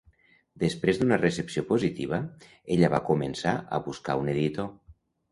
Després d'una recepció positiva, ella va començar a buscar un editor.